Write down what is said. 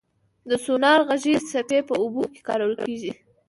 د سونار غږي څپې په اوبو کې کارول کېږي.